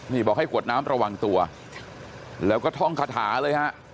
นี่บอกให้กวดน้ำระวังตัวแล้วก็ท่องคาถาเลยฮะ